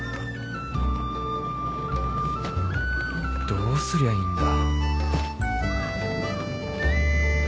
どうすりゃいいんだ